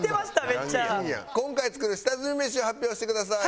今回作る下積みメシを発表してください。